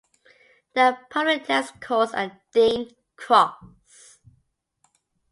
There are public tennis courts at Dean Cross.